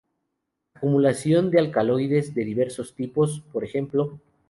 Acumulación de alcaloides de diversos tipos, p. ej.